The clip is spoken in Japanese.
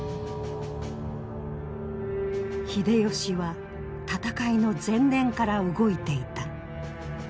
秀吉は戦いの前年から動いていた。